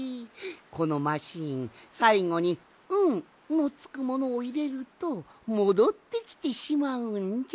このマシーンさいごに「ん」のつくものをいれるともどってきてしまうんじゃ。